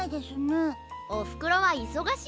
おふくろはいそがしいからな。